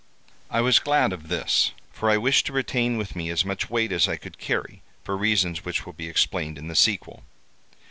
I was glad of this, for I wished to retain with me as much weight as I could carry, for reasons which will be explained in the sequel.